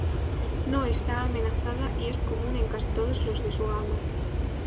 No está amenazada y es común en casi todos los de su gama.